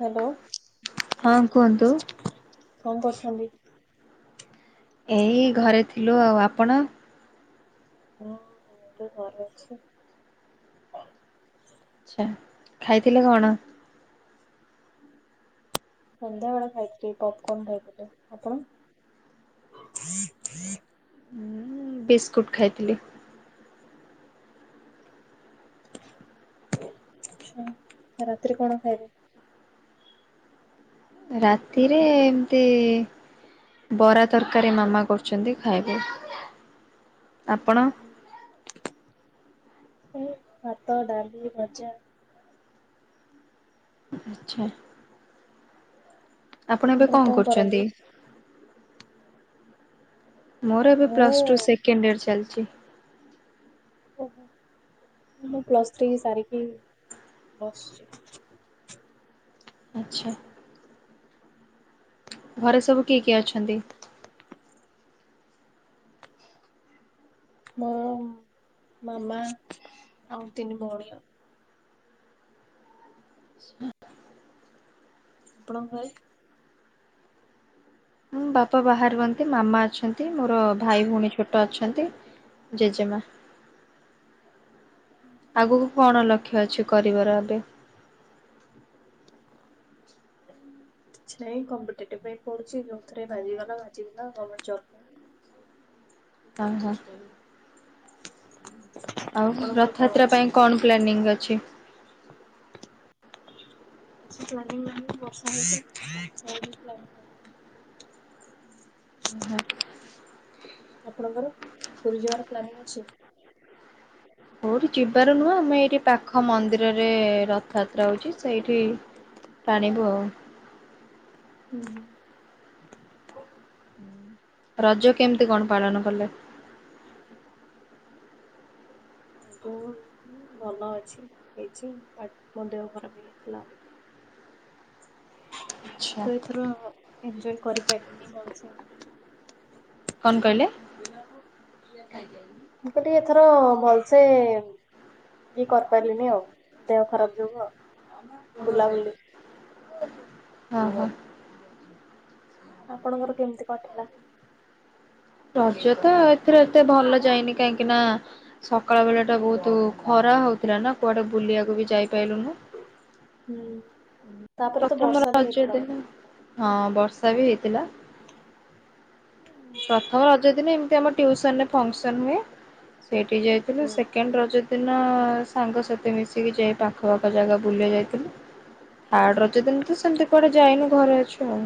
Hello. ହଁ କୁହନ୍ତୁ। କଣ କରୁଛନ୍ତି? ଏଇ ଘରେ ଥିଲୁ, ଆଉ ଆପଣ? [inaudible] ଆଛା ଖାଇଥିଲେ କଣ? ସନ୍ଧ୍ୟାବେଳେ ଖାଇଥିଲି ପପକର୍ନ ଖାଇଥିଲି ଆପଣ? ଉଁ ବିସ୍କୁଟ୍ ଖାଇଥିଲି। ହଁ ରାତିରେ କଣ ଖାଇବେ? ରାତିରେ ଏମିତି ବରା ତରକାରୀ ମାମା କରୁଛନ୍ତି ଖାଇବୁ, ଆପଣ? ମୁଁ ଭାତ, ଡାଲି, ଭଜା। ଆଚ୍ଛା। ଆପଣ ଏବେ କଣ କରୁଛନ୍ତି? ମୋର ଏବେ ମୁଁ ପ୍ଲସ୍ ଟୁ ଓହୋ ସେକେଣ୍ଡ ଇୟର୍ ଚାଲିଛି। ଓହୋଃ ମୁଁ ପ୍ଲସ୍ ଥ୍ରୀ ସାରିକି ବସଛି। ଆଚ୍ଛା। ଘରେ ସବୁ କିଏ କିଏ ଅଛନ୍ତି? ମୋ ମାମା ଆଉ ତିନି ଭଉଣୀ ଆଉ। ଆପଣଙ୍କ ଘରେ? ହୁଁ ବାପା ବାହାରେ ରୁହନ୍ତି, ମାମା ଅଛନ୍ତି ମୋର ଭାଇ ଭଉଣୀ ଛୋଟ ଅଛନ୍ତି। ଜେଜେମା। ଆଗକୁ କଣ ଲକ୍ଷ୍ୟ ଅଛି କରିବାର ଏବେ? କିଛି ନାଇଁ କମ୍ପିଟେଟିଭ ପାଇଁ ପଢୁଛି ଯୋଉଥିରେ ବାଜି ଗଲା ବାଜି ଗଲା ଗମେଣ୍ଟ ଜବ୍ ପାଇଁ। ହଁ-ହଁ। ଆଉ ଆପଣଙ୍କର କଣ ରଥଯାତ୍ରା ଅଛି? ପାଇଁ କଣ ପ୍ଲାନିଂ ଅଛି? କିଛି ପ୍ଲାନିଂ ନାହିଁ ବର୍ଷା ହଉଚି ଛାଡ଼ିଲେ ପ୍ଳାନିଂ ହବ। ଆପଣଙ୍କର ପୁରୀ ଯିବାର ପ୍ଲାନିଂ ଅଛି? କୋଉଠି ଯିବାର ନୁହଁ ଆମେ ଏଇଠି ପାଖ ମନ୍ଦିରରେ ରଥଯାତ୍ରା ହଉଚି ସେଇଠି ଟାଣିବୁ ଆଉ। ଉଁହୁଁ। ରଜ କେମିତି କଣ ପାଳନ କଲେ? ରଜ ଭଲ ଅଛି ହେଇଛି [inaudible] ମୋ ଦେହ ଖରାପ ହେଇ ଆଚ୍ଛା। ତ ଏଥର ଏଞ୍ଜୟ କରିପାରିଲିନି ଭଲସେ। କଣ କହିଲେ? ଖାଇକି ଆଇଲୁନି ମୁଗ ଟି ଏଥର ଭଲସେ ଉଁ ଇଏ କରିପାରିଲିନି ଆଉ ଦେହ ଖରାପ ଯୋଗୁ ଆଉ ବୁଲାବୁଲି ଓହୋ। ଆପଣଙ୍କର କେମିତି କଟିଲା? ରଜ ତ ଏଥର ଏତେ ଭଲ ଯାଇନି କାହିଁକି ନା। ସକାଳ ବେଳାଟା ବହୁତୁ ଖରା ହଉଥିଲା ନା କୁଆଡେ ବୁଲିବାକୁ ବି ଯାଇପାଇଲୁନୁ। ହୁଁ ତାପରେ ତ ପ୍ରଥମ ବର୍ଷା ବି ରଜ ହେଇଥିଲା ଦିନ ବୋଧେ ହଁ ବର୍ଷା ବି ହେଇଥିଲା। ପ୍ରଥମ ରଜ ଦିନ ଏମିତି ଆମ ଟିଉସନ୍ ରେ ଫଙ୍କସନ ହୁଏ ସେଇଠି ଯାଇଥିଲୁ ହୁଁ। ସେକେଣ୍ଡ ରଜ ଦିନ ସାଙ୍ଗସାଥି ମିଶିକି ଯାଇ ପାଖପାଖ ଜାଗା ବୁଲିବା ଯାଇଥିଲୁ। ଥାର୍ଡ ରଜ ଦିନ ତ ସେମିତି କୁଆଡେ ଯାଇନୁ ଘରେ ଅଛୁ ଆଉ।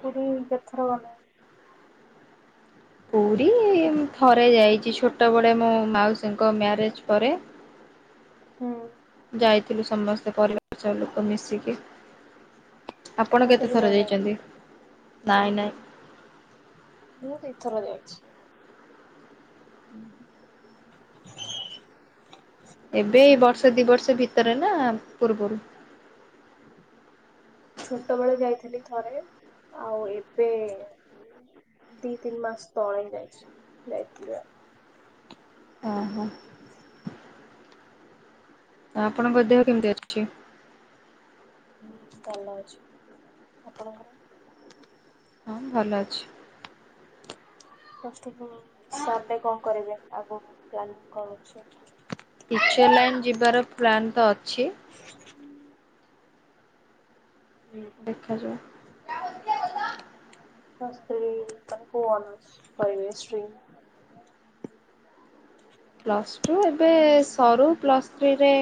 ପୁରୀ କେତେ ଥର ଗଲେ ପୁରୀ ଉଁ ଥରେ ଯାଇଚି ଛୋଟବେଳେ ମୋ ମାଉସୀଙ୍କ ମ୍ୟାରେଜ ପରେ। ହୁଁ। ଯାଇଥିଲୁ ସମସ୍ତେ ପରିବାର ସହ ଲୋକ ମିଶିକି। ଆପଣ ଆଉ କେତେ କେବେ ଥର ଯାଇନାହାନ୍ତି ଯାଇଚନ୍ତି? ନାଇଁ ନାଇଁ ମୁଁ ଦି ଥର ଯାଇଛି ଉ ହୁଁ। ଏବେ ଏଇ ବର୍ଷେ ଦି ବର୍ଷେ ଭିତରେ ନା ପୂର୍ବରୁ? ଛୋଟ ବେଳେ ଯାଇଥିଲି ଥରେ ଆଉ ଏବେ ଦି ତିନ ମାସ ତଳେ ଯାଇଛି ଯାଇଥିଲି ଆ ଓ ହୋ। ଆପଣଙ୍କ ଦେହ କେମିତି ଅଛି? [unintelligible] ଭଲ ଅଛି। ଆପଣଙ୍କର? ହଁ ଭଲ ଅଛି। ପ୍ଲସ ଟୁ ପ ସରିଲେ କଣ କରିବେ ଆଗକୁ ପ୍ଲାନିଙ୍ଗ କଣ ଅଛି? ଟିଚର୍ ଲାଇନ୍ ଯିବାର ପ୍ଲାନ୍ ତ ଅଛି। ଉଁ ଦେଖାଯାଉ। ପ୍ଲସ ଥ୍ରି ପରେ କଉ ଅନର୍ଷ କରିବେ ଷ୍ଟ୍ରିମ୍? ପ୍ଲସ୍ ଟୁ ଏବେ ସରୁ ପ୍ଲସ୍ ଥ୍ରୀରେ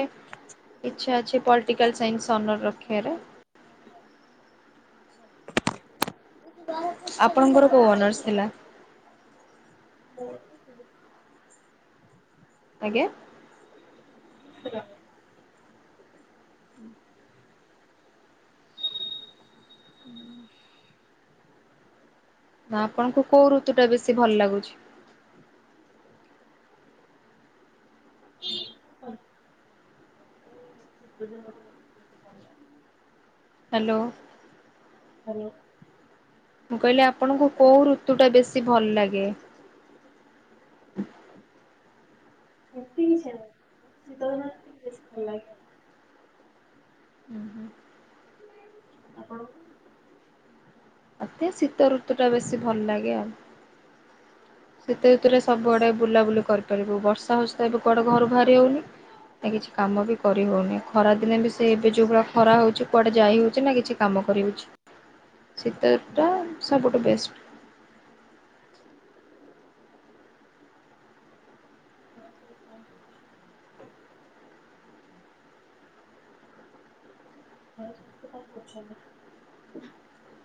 ଇଚ୍ଛା ଅଛି ପଲଟିକାଲ ସାଇନ୍ସ ଅନର ରଖିଆରେ। ଆପଣଙ୍କର କୋଉ ଅନର୍ସ ଥିଲା? ମୋର ଫିଜିକ୍ସ ଥିଲା। ଆଜ୍ଞା। [unintelligible] ନା ଆପଣଙ୍କୁ କୋଉ ଋତୁ ଟା ବେଶି ଭଲ ଲାଗୁଛି? ଶିତ ଦିନ ଟା କ ଭଲ ଲାଗେ ହାଲୋ। ହାଲୋ। ମୁଁ କହିଲି ଆପଣଙ୍କୁ କୋଉ ଋତୁ ଟା ବେଶି ଭଲ ଲାଗେ? ସେମିତି କିଛି ନାହିଁ ବାକି ଶୀତ ଦିନ ଟା ଟିକେ ବେଶି ଭଲ ଲାଗେ ଆଉ ଉଁ ହୁଁ। ଆପଣଙ୍କୁ? ମତେ ଶୀତ ଋତୁ ଟା ବେଶି ଭଲ ଲାଗେ ଆଉ। ଶୀତ ଋତୁରେ ସବୁଆଡେ ବୁଲାବୁଲି କରିପାରିବୁ ବର୍ଷା ହଉଛି ତ ଏବେ କୁଆଡେ ଘରୁ ବାହାରି ହଉନି। ନା କିଛି କାମ ବି କରିହଉନି ଖରା ଦିନେ ବି ସେ ଏବେ ଯୋଉ ଭଳିଆ ଖରା ହଉଛି କୁଆଡେ ଯାଇ ହଉଛି ନା କିଛି କାମ କରିହଉଛି। ଶୀତ ରିତୁ ଟା ସବୁଠୁ ବେଷ୍ଟ। [inaudible] ଘରେ ସମସ୍ତେ କଣ କରୁଛନ୍ତି?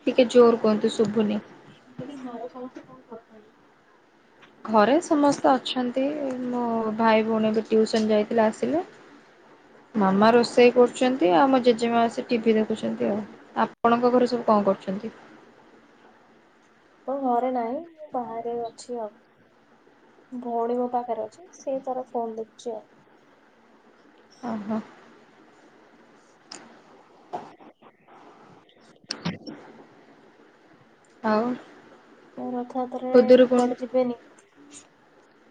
ଟିକେ ଜୋର କୁହନ୍ତୁ ଶୁଭୁନି। ମୁଁ କହିଲି ଘରେ ସମସ୍ତେ କଁ କରୁଛନ୍ତି? ଘରେ ସମସ୍ତେ ଅଛନ୍ତି ମୋ ଭାଇ ଭଉଣୀ ବି ଟିୁସନ ଯାଇଥିଲେ ଆସିଲେ। ମାମା ରୋଷେଇ କରୁଛନ୍ତି ଆଉ ମୋ ଜେଜେମା ବସି ଟିଭିି ଦେଖୁଛନ୍ତି ଆଉ। ଆପଣଙ୍କ ଘରେ ସବୁ କଣ କରୁଛନ୍ତି? ତ ଘରେ ନାହିଁ ମୁଁ ବାହାରେ ଅଛି ଆଉ। ଭଉଣୀଙ୍କ ପାଖରେ ଅଛି ସିଏ ତାର ଫୋନ ଦେଖୁଛି ଆଉ। ଓ ହୋ। ଆଉ ଖୁଦୁରୁକୁଣି। ହେବେନି।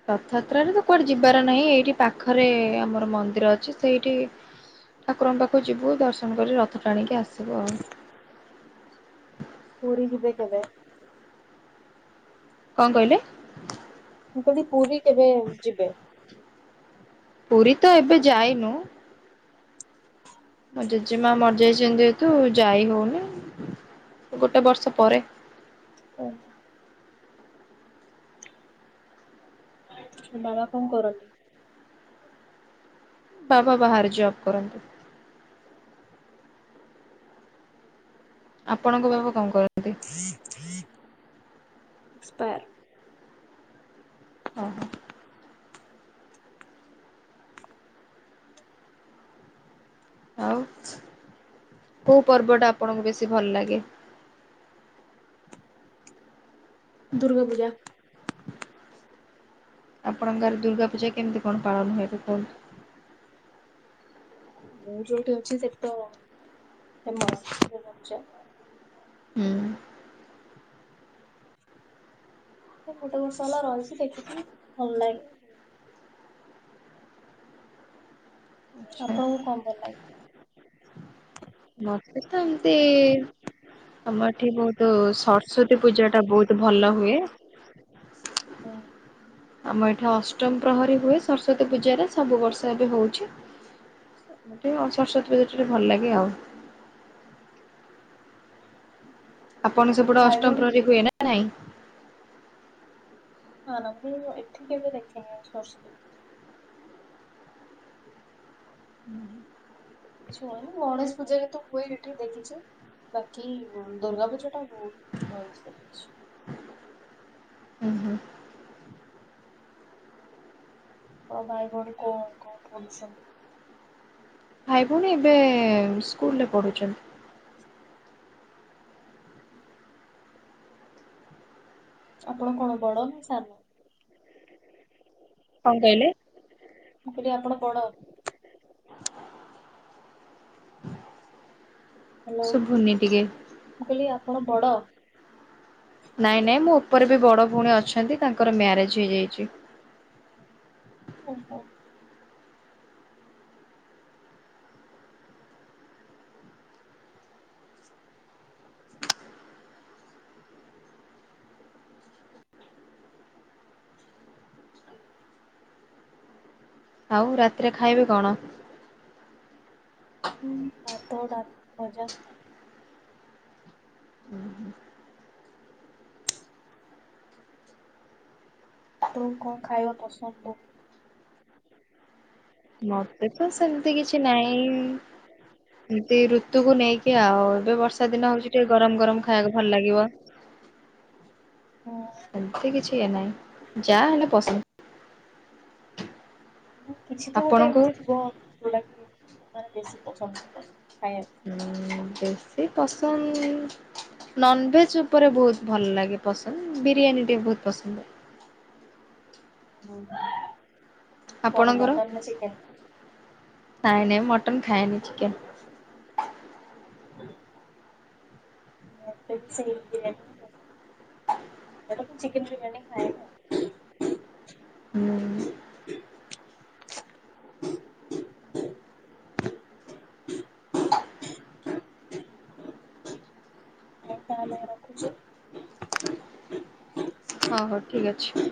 ରଥଯାତ୍ରାରେ ତ କୁଆଡେ ଯିବାର ନାହିଁ ଏଇଠି ପାଖରେ ଆମର ମନ୍ଦିର ଅଛି ସେଇଠି। ଠାକୁରଙ୍କ ପାଖୁ ଯିବୁ ଦର୍ଶନ କରି ରଥ ଟାଣିକି ଆସିବୁ ଆଉ। ପୁରୀ ଯିବ କେବେ? କଁ କହିଲ? ମୁ କହିଲି ପୁରୀ କେବେ ଯିବେ? ପୁରୀ ତ ଏବେ ଯାଇନୁ। ମୋ ଜେଜେମା ମରିଯାଇଛନ୍ତି ଯେହେତୁ ଯାଇ ହଉନି ଗୋଟେ ବର୍ଷ ପରେ। ଓ। ବାବା କଣ କରନ୍ତି? ବାବା ବାହାରେ ଜବ୍ କରନ୍ତି। ଆପଣଙ୍କ ବାବା କଣ କରନ୍ତି? ଏକ୍ସପାର। ଓହୋ। ଆଉ କୋଉ ପର୍ବ ଟା ଆପଣଙ୍କୁ ବେଶି ଭଲ ଲାଗେ? ଦୁର୍ଗା ପୂଜା‌। ଆପଣଙ୍କ ଘରେ ଦୁର୍ଗା ପୂଜା କେମତି କଣ ପାଳନ ହୁଏ କୁହନ୍ତୁ? ମୁଁ ଯୋଉଠି ଅଛି ସେଠି ତ ଫେମସ ଦୁର୍ଗା ପୂଜା। ହୁଁ ଏଠି ଗୋଟେ ବର୍ଷ ହେଲା ରହିଛି ଦେଖିଚି ଭଲ ଲାଗେ। ଆଚ୍ଛା ଆପଣଙ୍କୁ କଣ ଭଲ ଲାଗେ? ମତେ ତ ଏମତି। ଆମ ଏଠି ବହୁତ ସରସ୍ଵତୀ ପୂଜା ଟା ବହୁତ ଭଲ ହୁଏ। ହୁଁ। ଆମ ଏଠି ଅଷ୍ଟମ ପ୍ରହରୀ ହୁଏ ସରସ୍ଵତୀ ପୂଜାରେ ସବୁ ବର୍ଷ ଏବେ ହଉଛି। ମତେ ଆଉ ସରସ୍ଵତୀ ପୂଜା ଟିକେ ଭଲ ଲାଗେ ଆଉ। ଆପଣ ସେପଟେ ଭାଇ ଅଷ୍ଟମ ଭଉଣୀ ପ୍ରହରୀ ହୁଏ ନା ନାଇଁ? ନା, ନା ମୁଁ ଏଠି କେବେ ଦେଖିନି ଆ ସରସ୍ଵତୀ। ଉଁ ହୁଁ। କିଛି ହୁଏନି ଗଣେଶ ପୂଜାରେ ତ ହୁଏ ଏଠି ଦେଖିଛି। ବାକି ଦୁର୍ଗା ପୂଜା ଟା ବହୁତ ଭଲ ସେ ଦେଖିଛି। ହୁଁ, ହୁଁ। ତ ମ ଭାଇଭଉଣୀ କଣ କଣ ପଢୁଛନ୍ତି? ଭାଇ ଭଉଣୀ ଏବେ ସ୍କୁଲରେ ପଢୁଛନ୍ତି। ଆପଣ କଣ ବଡ ନା ସାନ? କଣ କହିଲେ? ମୁଁ କହିଲି ଆପଣ ବଡ? ହାଲୋ, ଶୁଭୁନି ଟିକେ? ମୁଁ କହିଲି ଆପଣ ବଡ? ନାଇଁ ନାଇଁ ମୋ ଉପରେ ବି ବଡ଼ ଭଉଣୀ ଅଛନ୍ତି, ତାଙ୍କର ମ୍ୟାରେଜ ହେଇଯାଇଛି। ଓହୋ। [inaudible] ଆଉ ରାତିରେ ଖାଇବେ କଣ? ହଁ ଭାତ, ଡାଲି, ଭଜା। ଉଁ ହୁଁ। ଆପଣଙ୍କୁ କଣ ଖାଇବା ପସନ୍ଦ ନୁହଁ? ମତେ ତ ସେମିତି କିଛି ନାଇଁ। ଏମିତି ଋତୁକୁ ନେଇକି ଆଉ ଏବେ ବର୍ଷା ଦିନ ହଉଛି ଟିକେ ଗରମ ଗରମ ଖାଇବାକୁ ଭଲ ଲାଗିବ। ହୁଁ। ଏମିତି କିଛି ଇଏ ନାହିଁ ଯାହା ହେଲେ ପସନ୍ଦ। କିଛି ତ ଗୋଟେ ଆପଣଙ୍କୁ? ଏମିତି ଥିବ ଯୋଉଟାକି ମାନେ ବେଶୀ ପସନ୍ଦ ଥିବ ଖାଇବାକୁ। ସେମିତି ପସନ୍ଦ ନନଭେଜ ଉପରେ ବହୁତ ଭଲ ଲାଗେ ପସନ୍ଦ ବିରିୟାନୀ ଟେ ବହୁତ ପସନ୍ଦ। ହୁଁ। କଣ ଆପଣଙ୍କର, ମଟନ ନା ଚିକେନ? ନାଇଁ ନାଇଁ ମଟନ ଖାଏନି ଚିକେନ। ମୋତେ ବି ସେଇ ମଟନ୍ ଚିକେନ୍ ବିରିୟାନୀ ଖାଏନି। ହୁଁ ହଉ ତାହେଲେ ରଖୁଛି। ହଉ ହଉ ଠିକ୍ ଅଛି।